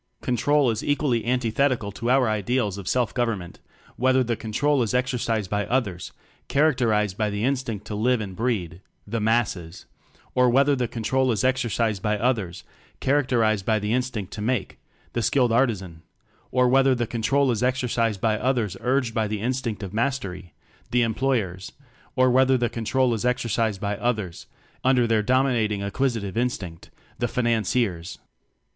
Control is equally antithetical to our Ideals of Self government whether the control is exercised by "others" char acterized by the Instinct to live and breed the Masses; or whether the control is exercised by "others" char acterized by the Instinct to Make the Skilled Artizan; or whether the control is exercised by "others" urged by the Instinct of Mastery the_ Em ployers; or whether the control is ex ercised by "others" under their domi n at ing Acquisitive Instinct the Financiers.